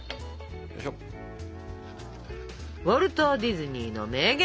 ウォルト・ディズニーの名言！